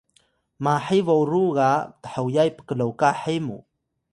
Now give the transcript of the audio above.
Yawi: mahi boru ga thoyay pklokah he mu